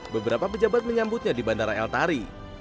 beberapa pejabat menyambutnya di bandara eltari